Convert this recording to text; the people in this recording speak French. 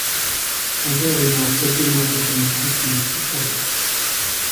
Son père est mort quelques mois après sa naissance, d'une crise cardiaque.